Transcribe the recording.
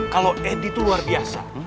kalau edi itu luar biasa